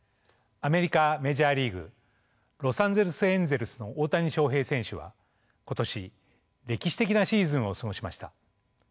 アメリカメジャーリーグロサンゼルス・エンゼルスの大谷翔平選手は今年歴史的なシーズンを過ごしました。